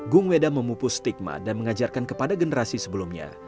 gung weda memupus stigma dan mengajarkan kepada generasi sebelumnya